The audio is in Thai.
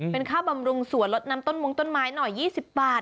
เป็นค่าบำรุงสวนลดน้ำต้นมงต้นไม้หน่อย๒๐บาท